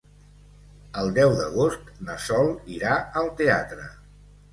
El deu d'agost na Sol irà al teatre.